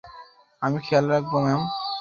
আমি খেয়াল রাখব ম্যাম।